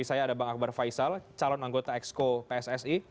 saya ada bang akbar faisal calon anggota exco pssi